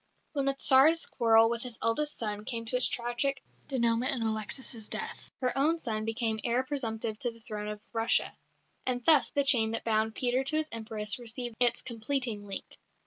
When the Tsar's quarrel with his eldest son came to its tragic dénouement in Alexis' death, her own son became heir presumptive to the throne of Russia. And thus the chain that bound Peter to his Empress received its completing link.